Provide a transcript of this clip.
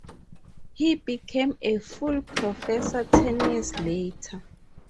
He became a full professor ten years later.